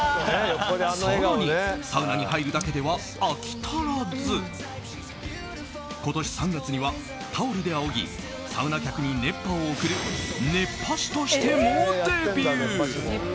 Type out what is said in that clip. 更に、サウナに入るだけでは飽き足らず今年３月には、タオルであおぎサウナ客に熱波を送る熱波師としてもデビュー。